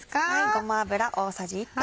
ごま油大さじ１杯。